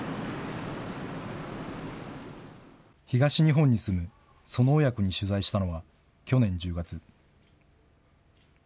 東日本に住むその親子に取材したのは、去年１０月。